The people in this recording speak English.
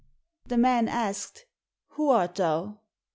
The man asked, "Who art thou?"